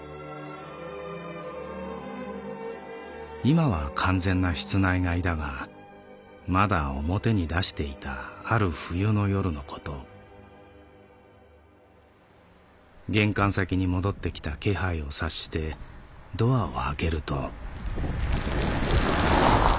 「いまは完全な室内飼いだがまだ表に出していたある冬の夜のこと玄関先に戻ってきた気配を察してドアを開けると」。